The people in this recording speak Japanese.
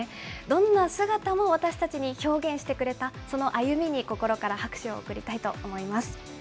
どんな姿も私たちに表現してくれた、その歩みに心から拍手を送りたいと思います。